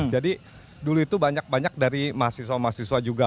jadi dulu itu banyak banyak dari mahasiswa mahasiswa juga